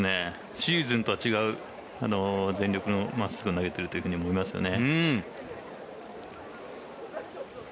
シーズンとは違う全力の真っすぐ投げてると思いますね。